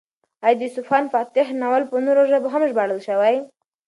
ایا د اصفهان فاتح ناول په نورو ژبو هم ژباړل شوی؟